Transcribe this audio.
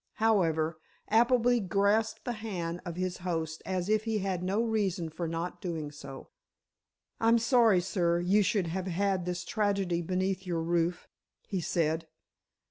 However, Appleby grasped the hand of his host as if he had no reason for not doing so. "I'm sorry, sir, you should have had this tragedy beneath your roof," he said.